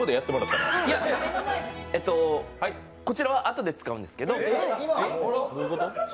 いやっ、こちらはあとで使うんですけど。